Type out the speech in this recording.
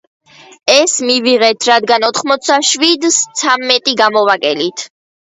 ეს მივიღეთ რადგან ოთხმოცდაშვიდს ცამეტი გამოვაკელით.